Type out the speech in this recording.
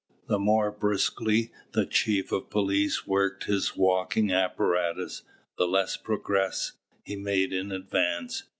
The more briskly the chief of police worked his walking apparatus the less progress he made in advance.